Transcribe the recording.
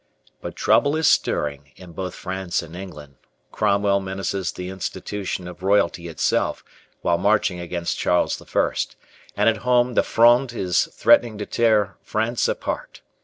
But trouble is stirring in both France and England. Cromwell menaces the institution of royalty itself while marching against Charles I, and at home the Fronde is threatening to tear France apart.